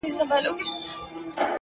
هڅه د وېرې دروازه تړي,